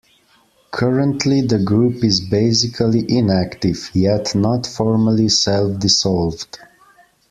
Currently the group is basically inactive, yet not formally self-dissolved.